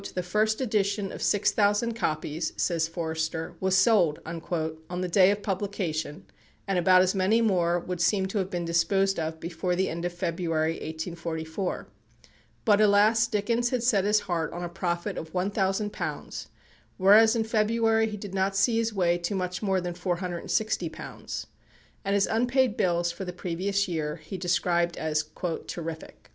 "The first edition of six thousand copies," says Forster, "was sold" on the day of publication, and about as many more would seem to have been disposed of before the end of February, 1844. But, alas, Dickens had set his heart on a profit of £1,000, whereas in February he did not see his way to much more than £460, and his unpaid bills for the previous year he described as "terrific."